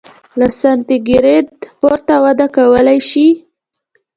له سانتي ګراد پورته وده کولای شي.